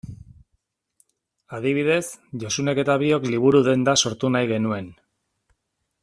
Adibidez, Josunek eta biok liburu-denda sortu nahi genuen.